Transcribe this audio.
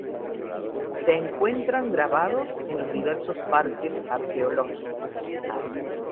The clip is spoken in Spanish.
Se encuentran grabados en los diversos Parques Arqueológicos.